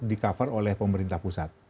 di cover oleh pemerintah pusat